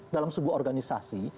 dalam sebuah organisasi